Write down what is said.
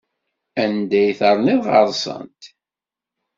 Anda ay terniḍ ɣer-sent?